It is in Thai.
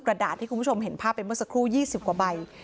กระดาษที่คุณผู้ชมเห็นภาพไปเมื่อสักครู่๒๐กว่าใบ